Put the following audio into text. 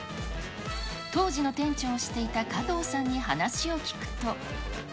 当時の店長をしていた加藤さんに話を聞くと。